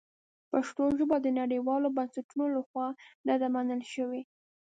پښتو ژبه د نړیوالو بنسټونو لخوا نه ده منل شوې.